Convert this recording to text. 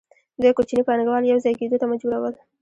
دوی کوچني پانګوال یوځای کېدو ته مجبورول